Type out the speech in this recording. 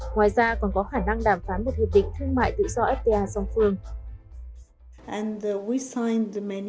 ngoài ra còn có khả năng đàm phán một hiệp định thương mại tự do fta song phương